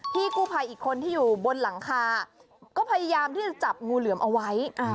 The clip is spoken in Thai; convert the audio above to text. พี่กู้ภัยอีกคนที่อยู่บนหลังคาก็พยายามที่จะจับงูเหลือมเอาไว้